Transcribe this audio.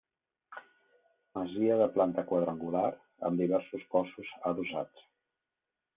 Masia de planta quadrangular, amb diversos cossos adossats.